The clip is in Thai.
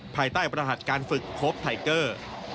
ภายใต้ประหัสการฝึกโคปไทเกอร์